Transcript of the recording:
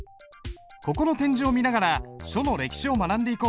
ここの展示を見ながら書の歴史を学んでいこう。